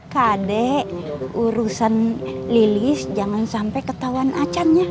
kade urusan lilis jangan sampai ketahuan acan ya